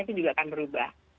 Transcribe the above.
itu juga akan berubah